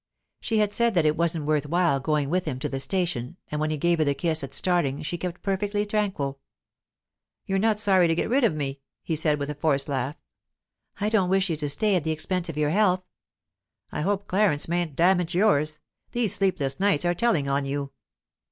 She had said that it wasn't worth while going with him to the station, and when he gave her the kiss at starting she kept perfectly tranquil. "You're not sorry to get rid of me," he said, with a forced laugh. "I don't wish you to stay at the expense of your health." "I hope Clarence mayn't damage yours. These sleepless nights are telling on you."